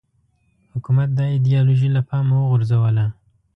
حکومت دا ایدیالوژي له پامه وغورځوله